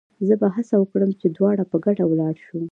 زه به هڅه وکړم چې دواړه په ګډه ولاړ شو.